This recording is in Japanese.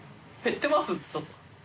って言っちゃった。